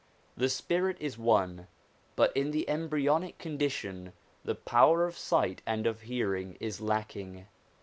The spirit is one, but in the embryonic condition the power of sight and of hearing is lacking.